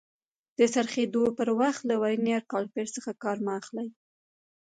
د څرخېدلو پر وخت له ورنیر کالیپر څخه کار مه اخلئ.